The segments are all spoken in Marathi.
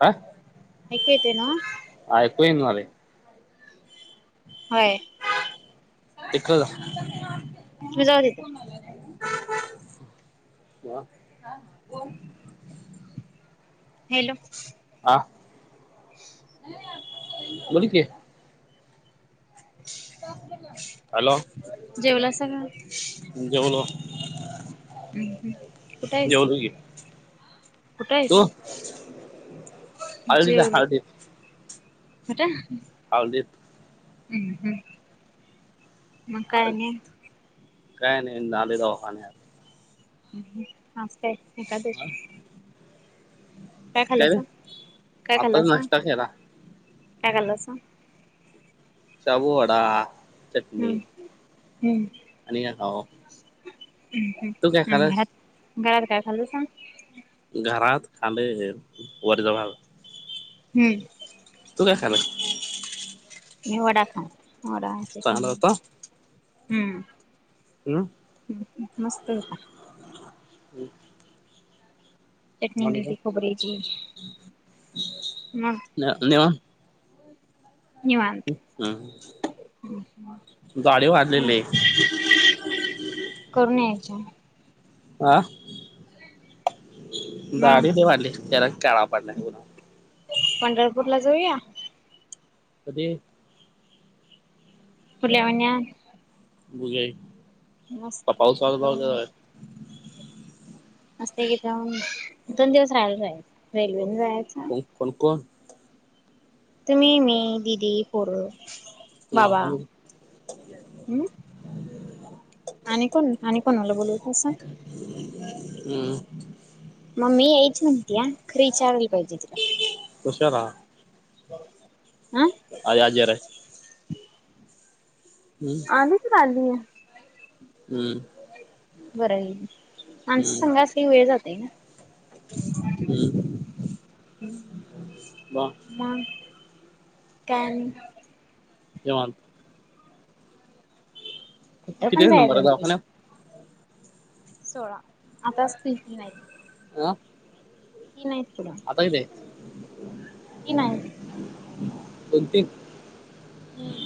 हा ऐकू येते ना? होइना झालंय. व्हय ते खाल्ल. म जाऊदेत. वा हा कोण? हॅलो हा बोल की [inaudible] तासभर लागला. हॅलो जेवलासा का जेवलो हम कुठ हाईस? जेवलो की कुठ तू हाईस? हळदीत जेवलो. कुठं? हाळदीत हम्म हम मग काय हळद आणि काय नाही नालोय दवाखान्यात. हम आज काय? एकादशी. काय काय आताच खाल्लासा नाष्ट्या केला. काय खाल्लासा? शाबू वडा. चटनी हम आणि येताव. हम हम ह्यात घरात काय खाल्लं सांग. घरात खाल्लय वरीचा भात हम्म तु काय खालस? मी वडा खाल्ला. वडा चटनी होता हम्म हम्म हम् मस्त होता. हम चटणी आणि दिलती काय खोबऱ्याची मग निवांत निवांत हम्म दाढी वाढलेली [inaudible] आं मग दाढी ते वाढली लय कलर ते काळा पडला उन्हात. पंढरपूर ला जाऊया. कधी? पुढल्या महिन्यात बघूया मस्त पाऊस वाजला [unintelligible] मस्तपैकी जाऊन दोन दिवस राहिला जायचं रेल्वेन कोण कोण कोण? तुम्ही मी दिदी पोरं बाबा हम आणि कोण आणि कोनाला बोलावत्यासा? [unintelligible] मी ऐच म्हणतिया क्रीच्या वि पाहिजे की कशाला [unintelligible] हा [unintelligible] हम्म आली तर आली. हम्म बरं आहे माणस हम्म संध्यासी वेळ झाली ना हम्म वा म काय आणि निवांत कुठं किती पण चा नंबर ये जायचं ते दवाखान्यात? सोळा आताचतीली नाही का तीन आहेत बघा तीन आहेत कोण ती? हम्म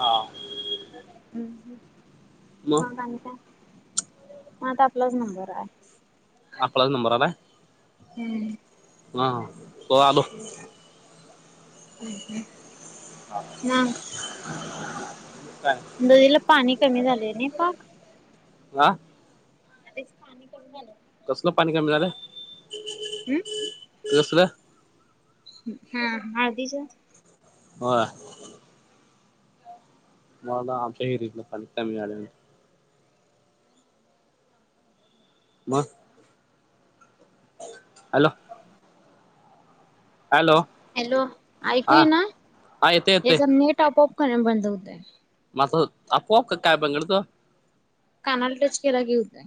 हा हम्म हम् मग आणि काय म आता आपलाच नंबर आहे आपला नंबर आलाय हम्म हा हो आलो हम् हम हा काय नदीला पाणी कमी झाले नाइ पाक आ नदीच पाणी कमी झालय कसलं पाणी कमी झालं हम्म कसलं? हा हळदीच होय मला वाटलं आमच्या विहिरीतलं पाणी कमी झालय म हॅलो हॅलो हॅलो हा ऐकूय ना हा येते येते हेचा नेट आपोआप करण बंद होत माझ आपोआप का काय बंगडत कानाल टच केला होतय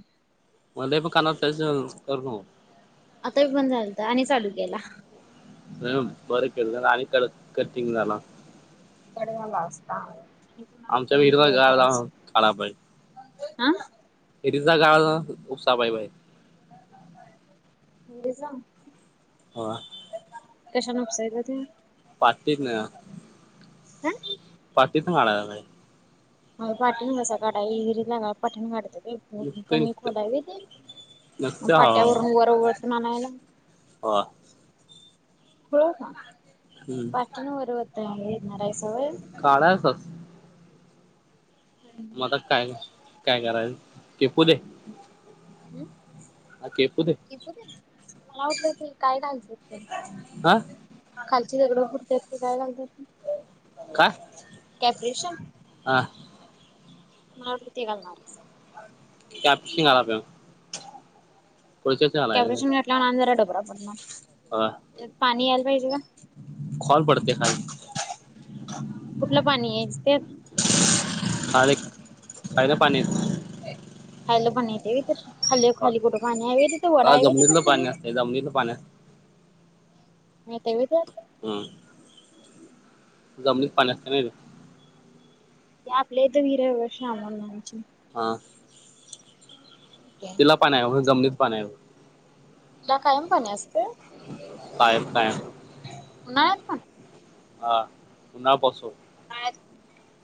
मला पण काना त्याच करत आता बंद झालत आणि चालू केला हम् बर केल आणि कटिंग झाला कडेवाला असता पुन्हा आमच्या रिटर्न विरचा गा खरा पाहिज आ हरीचा गाळ उपसाबाई बाई म जा ह कशान उपसायचं ते आटित न हम पाटीतन काढाय बाहेर अ पाठीण कसा काढाय हीरीतला गाळ पाठीण काढत्यात? नुसत कमी नुसत खोल हाय व्हय ते नुसतं ह पाट्यावरून वर वढून आणायला ह खुळ का? हम्म पाठीण वर वताय येणार हायसा होय? काढायचच मग आता काय काय करायचं किपूले हम्म केपूदे मला वाटलं ते काय झालतं ते हा खाल ते दगडं फुटत्यात ते काय घालणत्यात ते का? कॅफ्रेशन माती घालणारीसा कॅपशिंग घालाला पाहिजे कॅपशिंग घातल्यावर आणि जरा डब पडा पडणार ह त्यात पाणी यायला पाहिजे का? खोल पडते खाली कुठलं पाणी यायच त्यात खालनं पाणी हॅलो बनथे ते खाली खाली येत कुठं पाणी आहे तिथे वडा आहे तिथे जमिनीतलं खाली? पाणी असते जमिनीतलं पाणी येतय व्हय त्यात? हम् जमनीत पाणी असत नाही का? या आपलेेत वीरे वर्ष आ म्हणायची हा तिला पाण आहे जमनीत पाणी तुलाा कायम पाणी अस [inaudible] उन्हाळ्यात पण? हा उन्हा पासू [inaudible]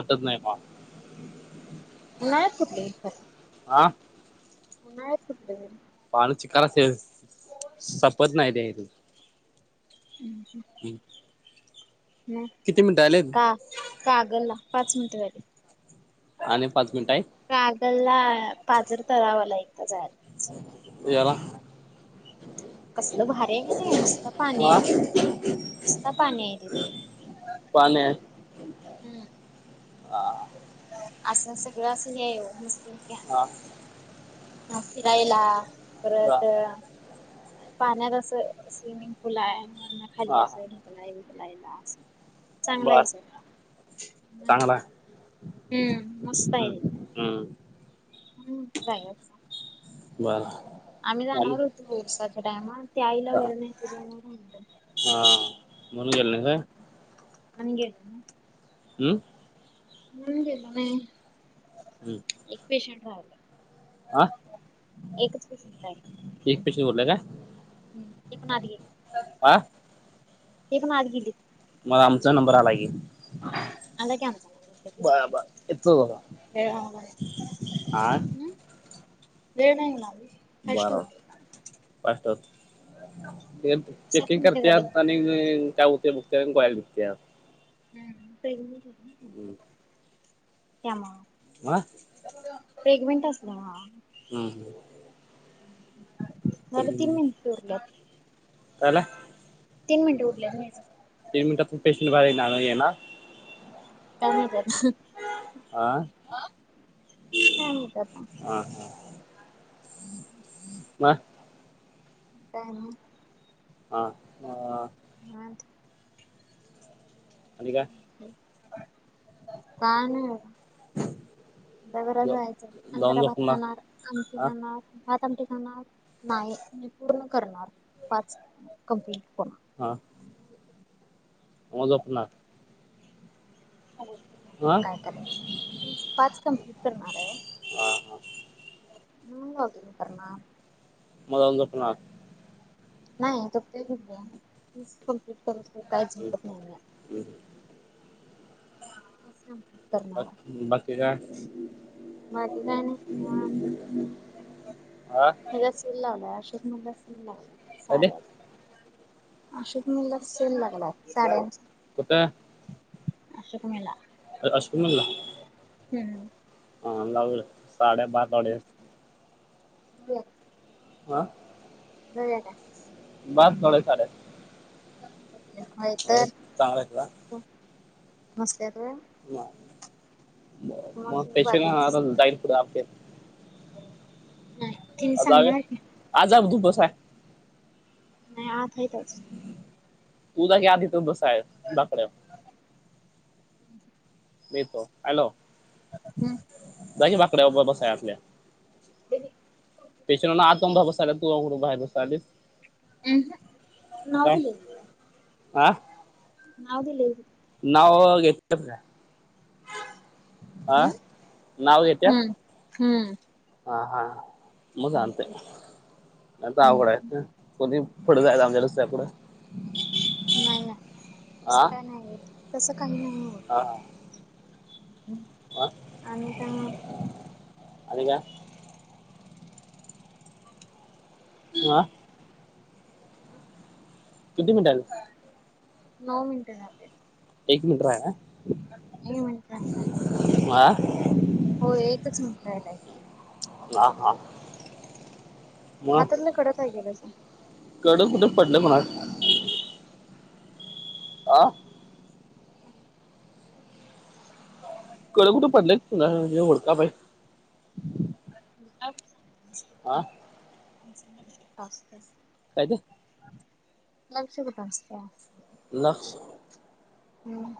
आठवत नाही का? ह कुठले हा म नायच कुठले पाणी चिकार [unintelligible] संपत नाही त्या इथून [inaudible] म किती मिनिटं आलेत का कागला पाच मिनटं झाली. आणि पाच मिनिट आहे. मला पाजर तळावांला एकदा जाय याला कसल भारी आहे का नाही नुसत पाणी हा आहे नुसत पाणी आहे तित पाणी हूं आ असं सगळं असं हे मस् हा ह फिरायला परत हा पाण्यात अस स्विमिंग पूल आहे. त्यांना खाली हा असाय [unintelligible] लायला असं चांगला बर आहे स चांगला आहे हम्म मस्त आहे. हम्म म्हणून म्हणतं जायाच बरं आम्ही जाणार होतो सर टायमानं हा म्हणून गेला नाय काय आम्ही गेलो नाही. हूं म्हणून गेलो नाही. एक पेशंट रायलं. आ एक पेशंट उरलाय का? हूं ते पण आत गेल. आ ते पण आत गेलीत. मग आमचा नंबर आला की, आला की आमचा बर बर येतो बघा नवरा आला हा म् वेळ नाही लावली बारा फास्ट ते सात चेकिंग मिनिटे झालेत. करत्यात आणि काय उतय बघत्यात आणि कोयला बघते हम्म हम्म त्यामुळ पेगमेंट जमा हम्म हम्म [inaudible] झालं तीन मिनिट उरल्यात कायला तीन मिनट उरल्यावर न्यायचं तीन मिनिटात पेशंट बाहेर येना येणार काय म्हणत्यात हह हा काय म्हणत्यात? हा हा [inaudible] म काय म हा ह आणि काय काय नाय त्या घरात जायचं आणि जाऊन जरा भात झोपणार खाणार आणि आमटी हा खाणार भात आमटी खाणार नाही मी पूर्ण करणार पाच कंप्लीट फोन हा तवा झोपणार हा काय करायचं पाच कंप्लीट करणार आहे हा हा हो मग करणार मग अजून झोपणार नाही त ते कमप्लीट करू काहीच झोपत नाही मी आता ह करणार बाकी काय माझ काय नाही हा काय त सल लावलाय मला ल् ते सार अशोक मुला सेल लागला साड्यांचा कुठ अशोक मेला अशोक मेला? हम्म हा लावल साड्या बात हो आ द्या यालाच बस थोडेच आलेत होय हो तर चालेल का [unintelligible] ना ब मग पैशे बाजरीच कुठे असते. जाईल कुड आपले नाही तिने आज सांगणार की आजऊ तू बस काय? नाही आत आहेतच तु जायकी आत जाऊन बस काय बाकड्यावर ह मीेतो हॅलो जाकी बाकड्यावर ब बसाया आपल्या पेशंटला आत बसू नाय बसलिस आ हम्म नाव दिले मिन आ नाव दिलेत नाव घेतात काय आ नाव घेत्यात हम्म हम्म हा हा मग जानतय हम्म आवघड आहे कधीं पुढं जायच रस्ता आहे का पुढ नाही नाही तस काही नाही येत तस काही नाही होत हा हा आणि त्या मग आणि काय? आ किती मिनिटाच नऊ मिनट झालेत एक मिनिट राहिलाय एक मिनिट हा राहिलाय हो एकच मिनिटं राहिलाय [unintelligible] हातातलं कड काय केलं सांग. कड कुठे पडलं म्हणा आ कड कुठं पडलं हुडकाय पाहि [inaudible] [inaudible] असतं [inaudible] लक्ष कुठं असतया. लक्ष हम्म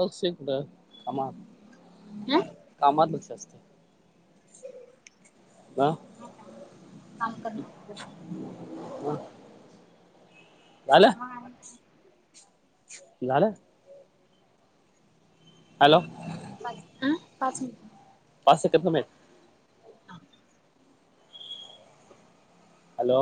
लक्ष कुठं कामात कामात लक्ष असतं. ह का काम कर ना माझ झालं अपमाय झालं. हॅलो अ पाच मिनट पाच सेकंड थांबय. हॅलो